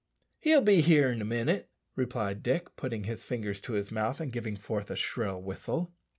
"He'll be here in a minute," replied Dick, putting his fingers to his mouth and giving forth a shrill whistle.